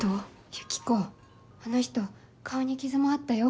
ユキコあの人顔に傷もあったよ。